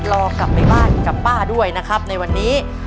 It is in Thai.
รอกลับไปบ้านกับป้าด้วยนะครับในวันนี้